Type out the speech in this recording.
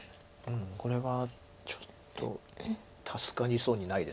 これはちょっと助かりそうにないです